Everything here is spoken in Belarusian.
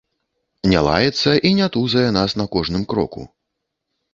Не лаецца і не тузае нас на кожным кроку.